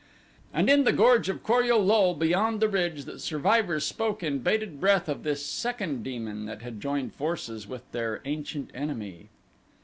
And in the gorge of Kor ul lul beyond the ridge the survivors spoke in bated breath of this second demon that had joined forces with their ancient enemy.